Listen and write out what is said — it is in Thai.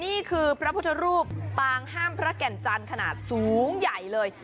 นี่คือพระพุทธรูปปางห้ามพระแก่นจันทร์ขนาดสูงใหญ่เลย